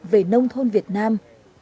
về nông thôn việt nam